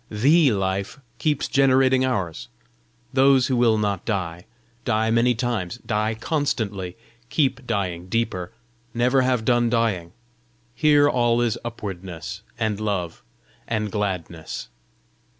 THE Life keeps generating ours. Those who will not die, die many times, die constantly, keep dying deeper, never have done dying; here all is upwardness and love and gladness."